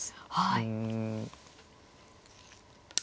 はい。